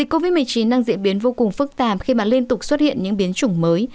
covid một mươi chín đang diễn biến vô cùng phức tạp khi mà liên tục xuất hiện những biến chủng mới